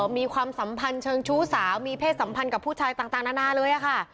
มีความสัมพันธ์เชิงชู้สาวมีเพศสัมพันธ์กับผู้ชายต่างนานาเลยค่ะ